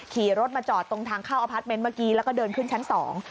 ขี่รถมาจอดตรงทางเข้าอพาร์ทเมนต์เมื่อกี้แล้วก็เดินขึ้นชั้นสอง